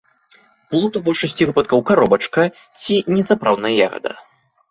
Плод у большасці выпадкаў каробачка ці несапраўдная ягада.